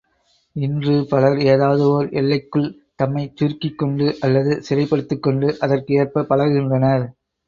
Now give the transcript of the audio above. இன்று பலர் ஏதாவது ஒர் எல்லைக்குள் தம்மைச் சுருக்கிக் கொண்டு அல்லது சிறைப்படுத்திக் கொண்டு அதற்கு ஏற்பப் பழகுகின்றனர்.